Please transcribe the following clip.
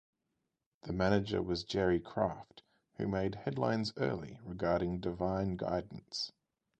The manager was Gerry Craft, who made headlines early regarding divine guidance.